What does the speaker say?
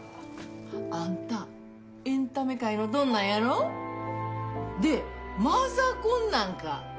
あんたエンタメ界のドンなんやろ？でマザコンなんか？